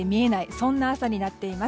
そんな朝になっています。